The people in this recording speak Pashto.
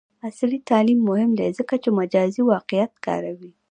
عصري تعلیم مهم دی ځکه چې مجازی واقعیت کاروي.